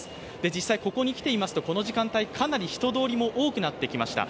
実際ここに来ていますと、この時間帯、かなり人通りも多くなってきました。